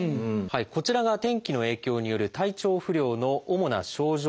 こちらが天気の影響による体調不良の主な症状です。